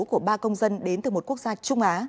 của ba công dân đến từ một quốc gia trung á